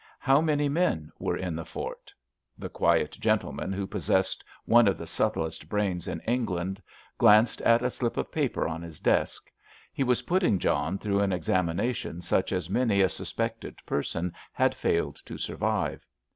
"How many men were in the fort?" The quiet gentleman, who possessed one of the subtlest brains in England, glanced at a slip of paper on his desk. He was putting John through an examination such as many a suspected person had failed to survive.